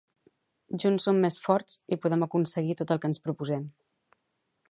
Junts som més forts i podem aconseguir tot el que ens proposem.